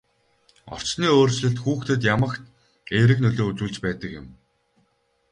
Орчны өөрчлөлт хүүхдэд ямагт эерэг нөлөө үзүүлж байдаг юм.